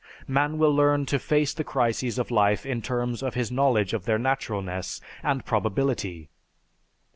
Man will learn to face the crises of life in terms of his knowledge of their naturalness and probability.